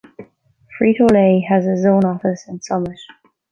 Frito-Lay has a zone office in Summit.